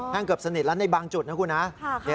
เกือบสนิทแล้วในบางจุดนะคุณฮะ